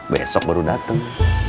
besok baru dateng